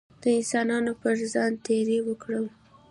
د انسانانو پر ځان تېری وکړي.